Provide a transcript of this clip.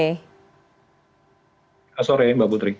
selamat sore mbak putri